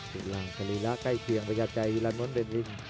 สีรังสลีระใกล้เคียงไปกับใกล้ร้านมนต์เดนริน